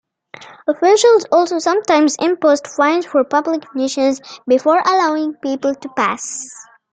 Officials also sometimes imposed fines for public nuisance before allowing people to pass.